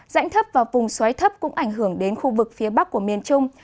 rãnh thấp và vùng xoáy thấp cũng ảnh hưởng đến khu vực phía bắc của miền trung